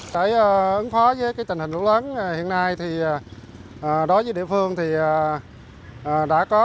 để ứng phó với tình hình lũ lớn hiện nay thì đối với địa phương thì đã có